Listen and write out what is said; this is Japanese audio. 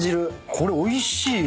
これおいしいわ。